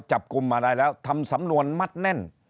จับกลุ่มมาได้แล้วทำสำนวนมัดแน่น